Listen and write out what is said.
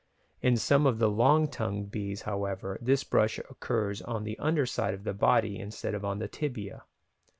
In some of the long tongued bees, however, this brush occurs on the underside of the body instead of on the tibia.